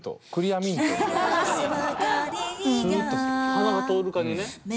鼻が通る感じね。